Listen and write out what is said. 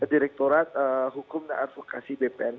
direkturat hukum dan advokasi bpn